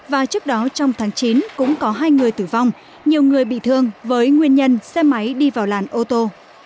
và trước đó trong tháng chín cũng có hai người tử vong nhiều người bị thương với nguyên nhân xe máy đi vào làn ô tô